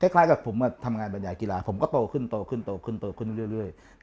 คล้ายกับผมทำงานบรรยายกีฬาผมก็โตขึ้นโตขึ้นโตขึ้นโตขึ้นเรื่อย